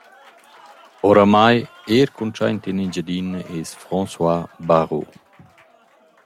Oramai eir cuntschaint in Engiadina es François Barro.